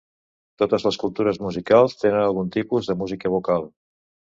Totes les cultures musicals tenen algun tipus de música vocal.